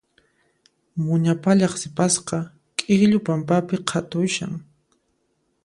Muña pallaq sipasqa k'ikllu pampapi qhatushan.